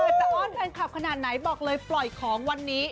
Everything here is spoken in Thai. จะอ้อนแฟนคลับขนาดไหนบอกเลยปล่อยของวันนี้